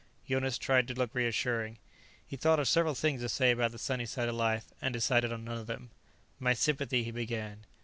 Jonas tried to look reassuring. He thought of several things to say about the sunny side of life, and decided on none or them. "My sympathy " he began.